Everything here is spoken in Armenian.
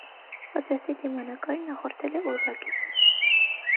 Պատրաստի դիմանկարին նախորդել է ուրվագիծը։